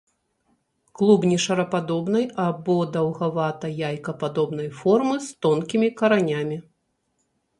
Клубні шарападобнай або даўгавата-яйкападобнай формы, з тонкімі каранямі.